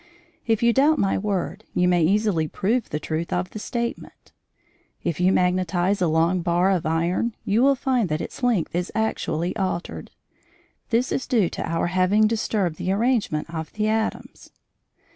If you doubt my word, you may easily prove the truth of the statement. If you magnetise a long bar of iron you will find that its length is actually altered. This is due to our having disturbed the arrangement of the atoms.